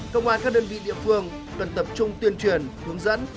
công an các đơn vị địa phương cần tập trung tuyên truyền hướng dẫn